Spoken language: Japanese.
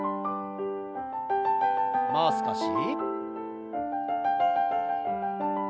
もう少し。